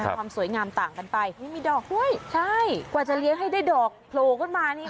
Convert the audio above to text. ความสวยงามต่างกันไปมีดอกด้วยใช่กว่าจะเลี้ยงให้ได้ดอกโผล่ขึ้นมานี่